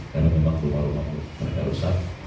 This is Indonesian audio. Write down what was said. karena memang rumah rumah itu mereka rusak